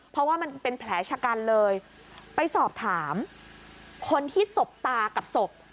เพราะว่ามันเป็นแผลชะกันเลยไปสอบถามคนที่สบตากับศพ